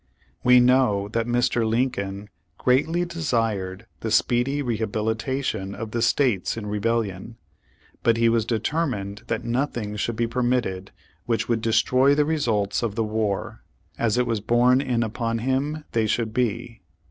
We know that Mr. Lincoln greatly desired the speedy rehabilitation of the states in rebellion, but he was determined that nothing should be permitted which v/ould destroy the results of the war, as it was borne in upon him they should be.